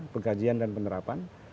pengkajian dan penerapan